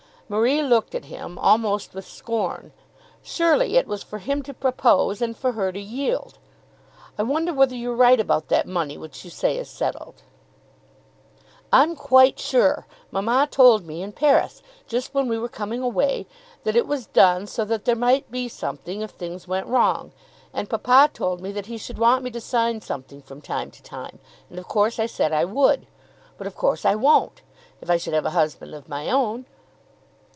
Marie looked at him, almost with scorn. Surely it was for him to propose and for her to yield. "I wonder whether you're sure you're right about that money which you say is settled." [Illustration: "It's no good scolding."] "I'm quite sure. Mamma told me in Paris, just when we were coming away, that it was done so that there might be something if things went wrong. And papa told me that he should want me to sign something from time to time; and of course I said I would. But of course I won't, if I should have a husband of my own."